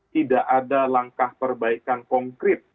tidak ada langkah perbaikan konkret